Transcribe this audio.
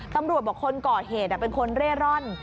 ตำรวจบอกคนก่อเหตุเป็นคนเร่ร่อน